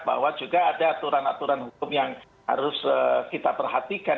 bahwa juga ada aturan aturan hukum yang harus kita perhatikan